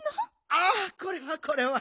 ああこれはこれは。